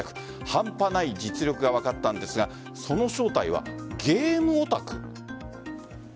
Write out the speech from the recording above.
半端ない実力が分かったんですがその正体はゲームオタク？